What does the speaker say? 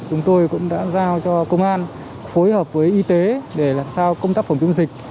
chúng tôi cũng đã giao cho công an phối hợp với y tế để làm sao công tác phòng chống dịch